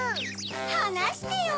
はなしてよ！